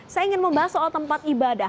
saya ingin membahas soal tempat ibadah